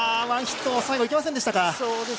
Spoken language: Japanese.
ワンヒット、最後いけませんでしたか。